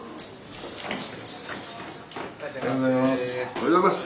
おはようございます。